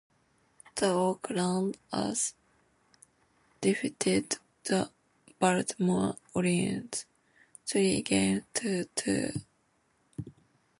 The Oakland A's defeated the Baltimore Orioles, three games to two.